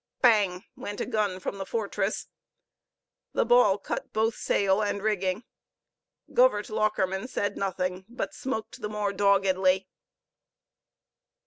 Bang! went a gun from the fortress; the ball cut both sail and rigging. Govert Lockerman said nothing, but smoked the more doggedly.